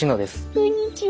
こんにちは。